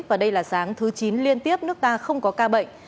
và đây là sáng thứ chín liên tiếp nước ta không có ca bệnh